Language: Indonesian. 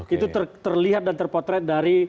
itu terlihat dan terpotret dari